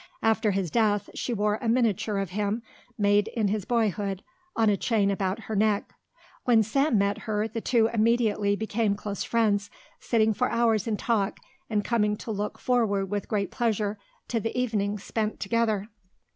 After his death she wore a miniature of him, made in his boyhood, on a chain about her neck. When Sam met her the two immediately became close friends, sitting for hours in talk and coming to look forward with great pleasure to the evenings spent together.